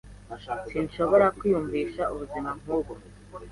Sinshobora kwiyumvisha ubuzima nk'ubwo.